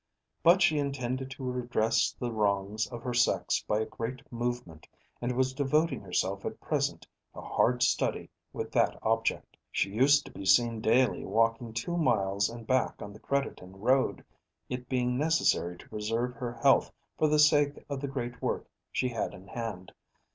But she intended to redress the wrongs of her sex by a great movement, and was devoting herself at present to hard study with that object. She used to be seen daily walking two miles and back on the Crediton Road, it being necessary to preserve her health for the sake of the great work she had in hand.